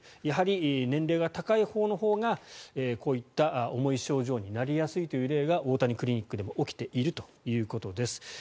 やはり年齢が高いほうがこういった重い症状になりやすいという例が大谷クリニックでも起きているということです。